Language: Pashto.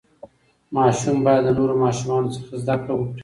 ماشوم باید د نورو ماشومانو څخه زده کړه وکړي.